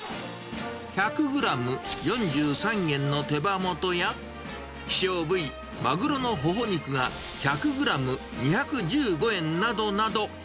１００グラム４３円の手羽元や、希少部位、マグロのほほ肉が１００グラム２１５円などなど。